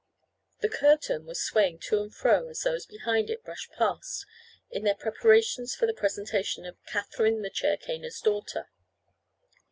The curtain was swaying to and fro as those behind it brushed past in their preparations for the presentation of "Katherine, the Chair Caner's Daughter."